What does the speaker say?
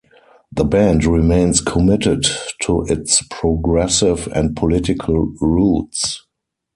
The band remains committed to its progressive and political roots.